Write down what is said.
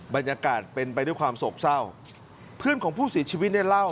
บรรยากาศเป็นไปด้วยความโศกเศร้าเพื่อนของผู้เสียชีวิตเนี่ยเล่า